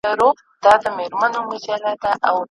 سمدستي یې پلرنی عادت په ځان سو